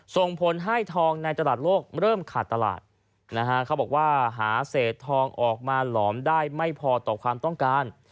ส่งผลให้ทองในตลาดโลกเริ่มขาดตลาดนะฮะเขาบอกว่าหาเศษทองออกมาหลอมได้ไม่พอต่อความต้องการ